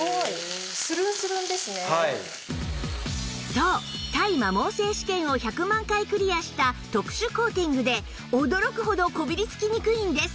そう耐摩耗性試験を１００万回クリアした特殊コーティングで驚くほどこびりつきにくいんです